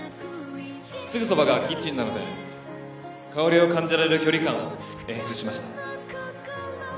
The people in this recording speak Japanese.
すぐそばがキッチンなので香りを感じられる距離感を演出しました。